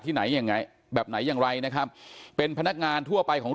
ไหนยังไงแบบไหนอย่างไรนะครับเป็นพนักงานทั่วไปของ